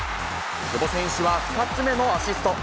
久保選手は２つ目のアシスト。